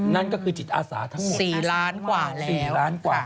นั่นก็คือจิตอาสาทั้งหมด๔ล้านกว่าแล้ว๔ล้านกว่า